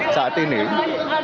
ada lagi ada lagi